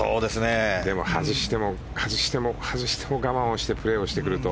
でも外しても外しても我慢をしてプレーをしてくると。